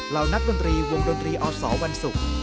นักดนตรีวงดนตรีอสวันศุกร์